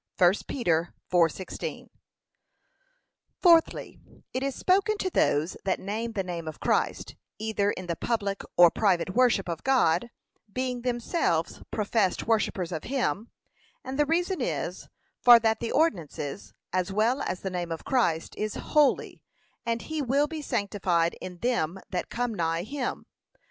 (1 Peter 4:16) Fourthly, It is spoken to those that name the name of Christ either in the public or private worship of God, being themselves professed worshippers of him; and the reason is, for that the ordinances, as well as the name of God, is holy, and 'he will be sanctified in them that come nigh him.'